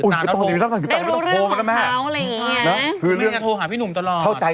อยากจะหาวิธีแต่งงานกัน